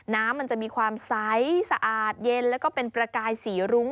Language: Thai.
มันจะมีความใสสะอาดเย็นแล้วก็เป็นประกายสีรุ้ง